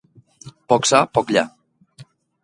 Poc ça, poc lla.